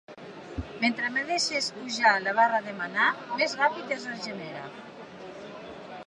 Mentre més deixes pujar la barra de manà, més ràpid es regenera.